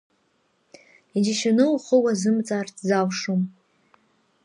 Иџьшьаны ухы уазымҵаарц залшом.